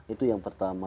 itu yang pertama